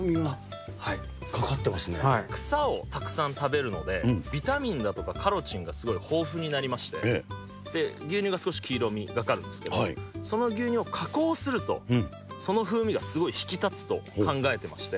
草をたくさん食べるので、ビタミンだとかカロチンがすごい豊富になりまして、牛乳が少し黄色みがかかるんですけど、その牛乳を加工すると、その風味がすごい引き立つと考えてまして。